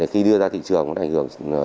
khi đưa ra thị trường nó đảm bảo